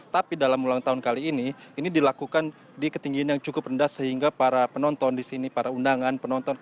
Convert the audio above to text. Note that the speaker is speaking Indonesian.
tapi dalam ulang tahun kali ini ini dilakukan di ketinggian yang cukup rendah sehingga para penonton di sini para undangan penonton